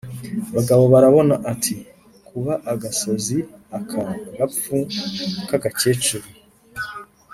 Bagabobarabona ati: "Kaba agasazi aka gapfu k’agakecuru!